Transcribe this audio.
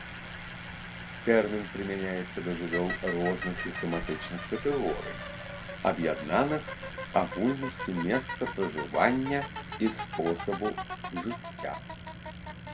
Тэрмін прымяняецца да жывёл розных сістэматычных катэгорый, аб'яднаных агульнасцю месца пражывання і спосабу жыцця.